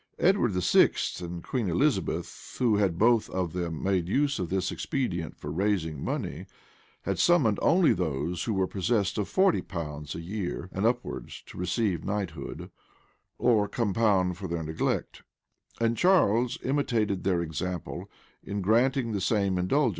Edward VI,[v] and Queen Elizabeth,[v] who had both of them made use of this expedient for raising money, had summoned only those who were possessed of forty pounds a year and upwards to receive knighthood, or compound for their neglect; and Charles imitated their example, in granting the same indulgence.